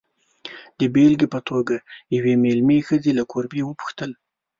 د بېلګې په توګه، یوې مېلمه ښځې له کوربې وپوښتل.